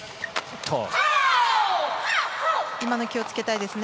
今の気を付けたいですね。